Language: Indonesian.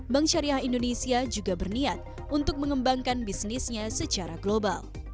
bank syariah indonesia juga berniat untuk mengembangkan bisnisnya secara global